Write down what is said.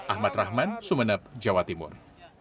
ahmad rahman sumeneb jawa timur